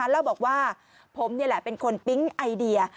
แล้วบอกว่าผมนี่แหละเป็นคนปิ๊งไอเดีย